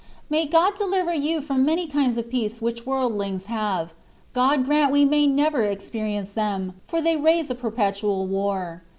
May God deliver you from many kinds of peace which worldlings have ; God grant we may never experience them, for they raise a perpetual war.